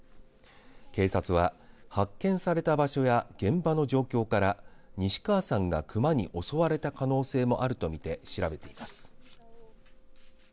警察は発見された場所や現場の状況から西川さんが熊に襲われた可能性もあるとみて調べています。